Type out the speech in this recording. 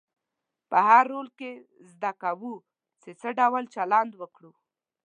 په هر رول کې زده کوو چې څه ډول چلند وکړو.